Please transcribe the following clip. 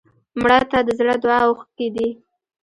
مړه ته د زړه دعا اوښکې دي